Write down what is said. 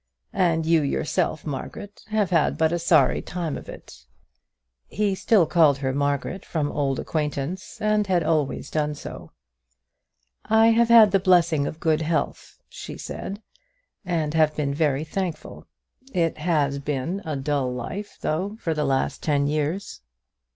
"And you yourself, Margaret, have had but a sorry time of it." He still called her Margaret from old acquaintance, and had always done so. "I have had the blessing of good health," she said, "and have been very thankful. It has been a dull life, though, for the last ten years."